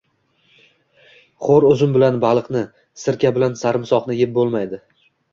G‘o‘r uzum bilan baliqni, sirka bilan sarimsoqni yeb bo‘lmaydi.